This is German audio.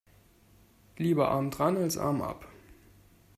Lieber arm dran als Arm ab.